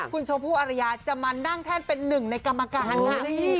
คุณชมพู่อรยาจะมานั่งแท่นเป็นหนึ่งในกรรมการค่ะ